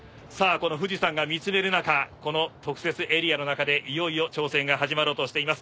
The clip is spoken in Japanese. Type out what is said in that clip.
この富士山が見つめる中この特設エリアの中でいよいよ挑戦が始まろうとしています。